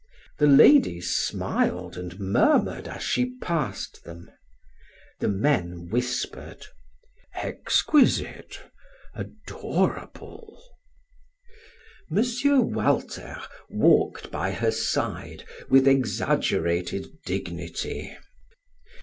The ladies smiled and murmured as she passed them. The men whispered: "Exquisite, adorable!" M. Walter walked by her side with exaggerated dignity.